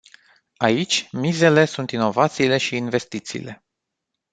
Aici, mizele sunt inovațiile și investițiile.